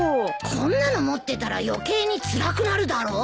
こんなの持ってたら余計につらくなるだろ？